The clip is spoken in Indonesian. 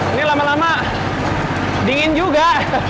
ini lama lama dingin juga